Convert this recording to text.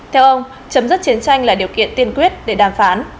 theo ông chấm dứt chiến tranh là điều kiện tiên quyết để đàm phán